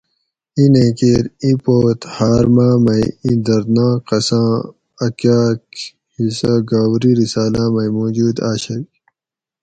اِیں نیں کیر ای پوت ہاۤر ماۤ مئ اِیں درد ناک قصہ آں اۤکاۤک حصہ گاؤری رساۤلاۤ مئ موجود اۤشگ